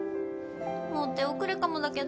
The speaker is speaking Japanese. もう手遅れかもだけど。